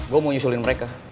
gue mau nyusulin mereka